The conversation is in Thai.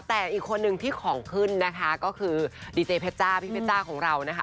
แต่อีกคนนึงที่ของขึ้นนะคะก็คือดีเจเพชจ้าพี่เพชจ้าของเรานะคะ